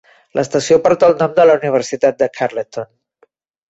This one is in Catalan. L'estació porta el nom de la Universitat de Carleton.